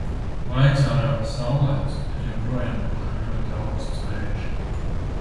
Laiks ārā saulains, bet joprojām pūš ļoti auksts vējš.